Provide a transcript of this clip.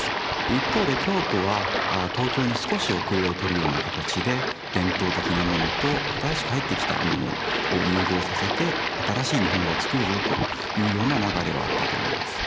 一方で京都は東京に少し後れを取るような形で伝統的なものと新しく入ってきたものを融合させて新しい日本画を作るぞというような流れはあったと思います。